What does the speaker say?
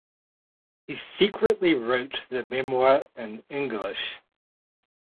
He secretly wrote the memoir in English.